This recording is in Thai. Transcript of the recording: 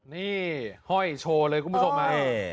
นี่ห้อยโชว์เลยคุณผู้ชมฮะ